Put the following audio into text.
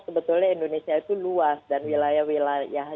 sebetulnya indonesia itu luas dan wilayah wilayah